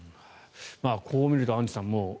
こう見るとアンジュさん